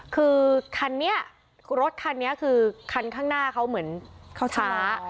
คือคันนี้รถคันนี้คือคันข้างหน้าเขาเหมือนเขาช้า